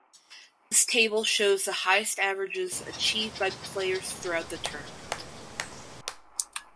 This table shows the highest averages achieved by players throughout the tournament.